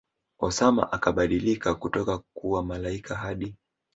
Osama akabadilika kutoka kuwa malaika Hadi